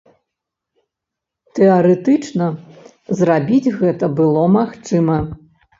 Тэарэтычна, зрабіць гэта было магчыма.